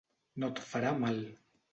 No et farà mal!